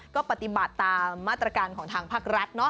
ก็ปฏิบัติตามมาตรการของทางภาครัฐ